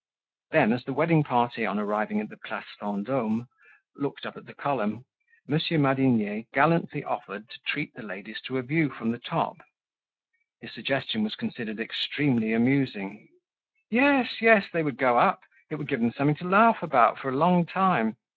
Then as the wedding party on arriving at the Place Vendome looked up at the column, Monsieur Madinier gallantly offered to treat the ladies to a view from the top. His suggestion was considered extremely amusing. Yes, yes, they would go up; it would give them something to laugh about for a long time.